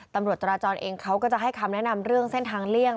ตำรวจจราจรเองเขาก็จะให้คำแนะนำเรื่องเส้นทางเลี่ยง